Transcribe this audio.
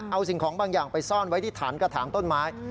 เอาสิ่งของบางอย่างไปซ่อนไว้ที่ฐานกระถางต้นไม้